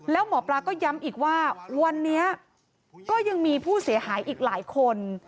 แล้วหมอปลาก็ย้ำอีกว่าวันนี้ก็ยังมีผู้เสียหายอีกหลายคน